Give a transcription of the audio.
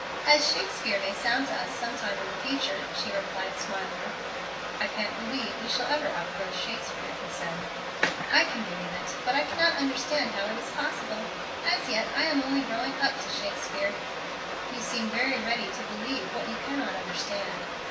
"As Shakespeare may sound to us some time in the future," she replied, smiling. "I can't believe we shall ever outgrow Shakespeare," he said. "I can believe it, but cannot understand how it is possible. As yet I am only growing up to Shakespeare." "You seem very ready to believe what you cannot understand."